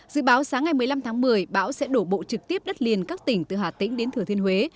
dự báo sáng ngày một mươi năm tháng một mươi bão sẽ đổ bộ trực tiếp đất liền các tỉnh từ hà tĩnh đến thừa thiên huế